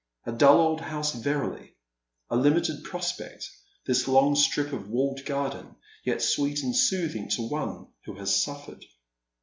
A dull old house verily — a limited prospect, this long strip of walled garden, yet sweet and soothing to one who has suffered.